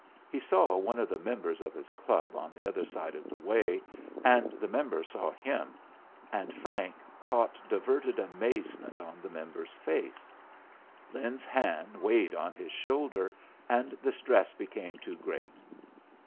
He saw one of the members of his club on the other side of the way, and the member saw him, and Frank caught diverted amazement on the member's face. Lin's hand weighed on his shoulder, and the stress became too great.